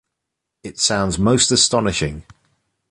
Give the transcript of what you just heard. It sounds most astonishing.